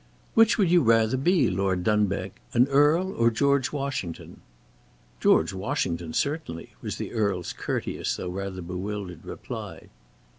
"Which would you rather be, Lord Dunbeg? an Earl or George Washington?" "George Washington, certainly," was the Earl's courteous though rather bewildered reply.